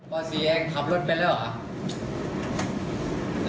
พ่อสีเองขับรถไปแล้วเหรอ